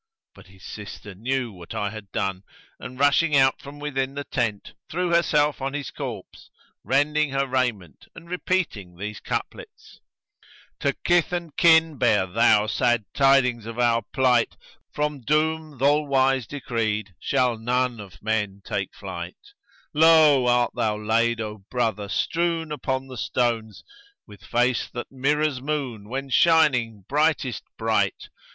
But his sister knew what I had done, and rushing out from within the tent, threw herself on his corpse, rending her raiment and repeating these couplets, "To kith and kin bear thou sad tidings of our plight; * From doom th' All wise decreed shall none of men take flight: Low art thou laid, O brother! strewn upon the stones, * With face that mirrors moon when shining brightest bright!